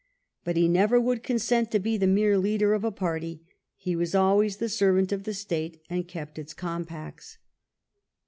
But he never would consent to be the mere leader of a party ; he was always the servant of the State, and kept its compacts.